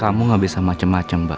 kamu gak bisa macem macem mbak